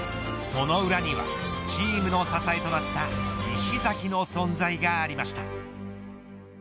その裏にはチームの支えとなった石崎の存在がありました。